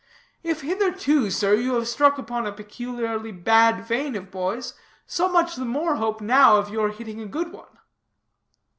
If hitherto, sir, you have struck upon a peculiarly bad vein of boys, so much the more hope now of your hitting a good one."